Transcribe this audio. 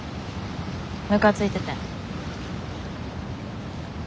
ムカついててん。